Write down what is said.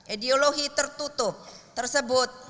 ideologi tertutup tersebut